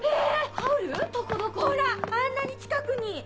ほらあんなに近くに！